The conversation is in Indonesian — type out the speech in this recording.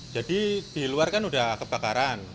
jadi di luar kan udah kebakaran